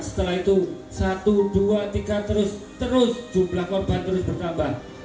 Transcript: setelah itu satu dua tiga terus terus jumlah korban terus bertambah